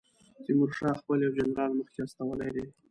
تیمورشاه خپل یو جنرال مخکې استولی دی.